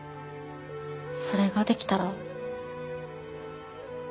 それができたら。